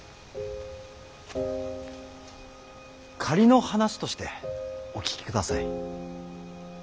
仮の話としてお聞きください。